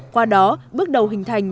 qua đó bước đầu hình thành